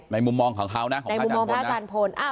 ในมุมมองของเขานะของพระอาจารย์พลนะ